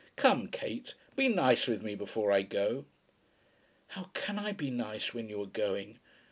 Come, Kate, be nice with me before I go." "How can I be nice when you are going?